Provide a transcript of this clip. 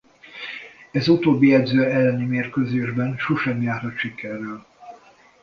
Ez utóbbi edző elleni mérkőzésben sosem járhat sikerrel.